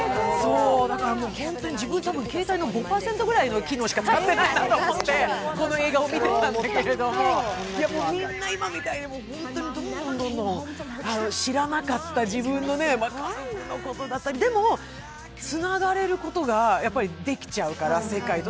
だから本当に自分、携帯５％ぐらいの機能しか使ってないなと思ってこの映画を見てたんだけれどもみんな今みたいにどんどん知らなかった自分のお母さんのことだったりでもつながれることができちゃうから、世界と。